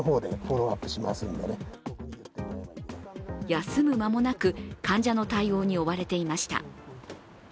休む間もなく、患者の対応に追われていました。